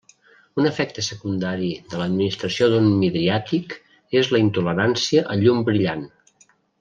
Un efecte secundari de l'administració d'un midriàtic és la intolerància a llum brillant.